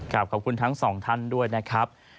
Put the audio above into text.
ขอบคุณทั้งสองท่านด้วยนะครับ